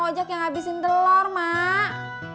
bang ojak yang ngabisin telur mak